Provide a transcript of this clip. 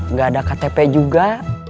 nggak ada ktp juga